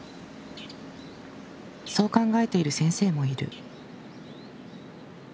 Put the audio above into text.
そう考えている先生もいる。